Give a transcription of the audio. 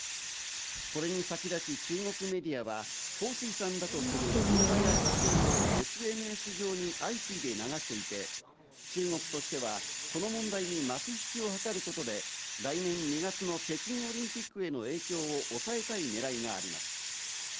これに先立ち中国メディアはホウ・スイさんだとする動画や写真をＳＮＳ上に相次いで流していて、中国としてはこの問題に幕引きを図ることで来年２月の北京オリンピックへの影響を抑えたいねらいがあります。